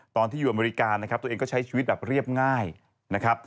ตอนที่อยู่อเมริกานะครับตัวเองก็ใช้ชีวิตแบบเรียบง่ายนะครับ